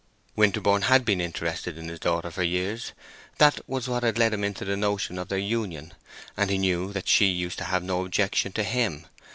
Winterborne had been interested in his daughter for years; that was what had led him into the notion of their union. And he knew that she used to have no objection to him.